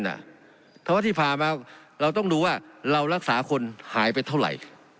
เพราะว่าที่ผ่านมาเราต้องดูว่าเรารักษาคนหายไปเท่าไหร่